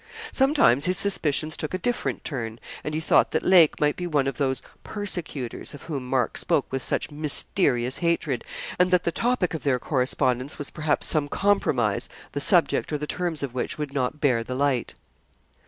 Sometimes his suspicions took a different turn, and he thought that Lake might be one of those 'persecutors' of whom Mark spoke with such mysterious hatred; and that the topic of their correspondence was, perhaps, some compromise, the subject or the terms of which would not bear the light.